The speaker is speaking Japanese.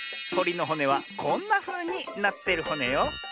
とりのほねはこんなふうになってるホネよ。